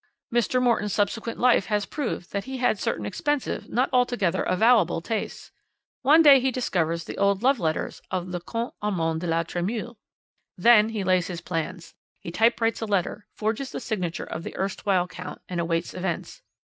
Mr. Morton's subsequent life has proved that he had certain expensive, not altogether avowable, tastes. One day he discovers the old love letters of the 'Comte Armand de la Tremouille.' "Then he lays his plans. He typewrites a letter, forges the signature of the erstwhile Count, and awaits events.